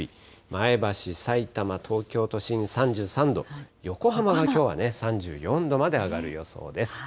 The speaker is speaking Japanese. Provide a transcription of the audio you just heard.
前橋、さいたま、東京都心３３度、横浜がきょうはね、３４度まで上がる予想です。